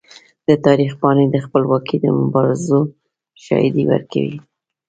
د تاریخ پاڼې د خپلواکۍ د مبارزو شاهدي ورکوي.